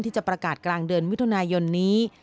ที่จะประกาศกลางเดือนมิถุนายนนี้